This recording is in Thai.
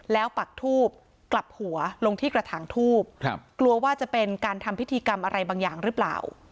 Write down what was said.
แล้วปักทูบกลับหัวลงที่กระถางทูบกลัวว่าจะเป็นการทำพิธีกรรมอะไรบางอย่างหรือเปล่า